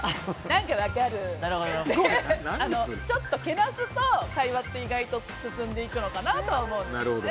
何か分かるみたいなちょっとけなすと会話って意外と進んでいくのかなとは思うんですよね。